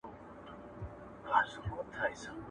• د اور سوى په اور رغېږي.